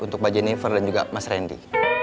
untuk mbak jennifer dan juga mas randy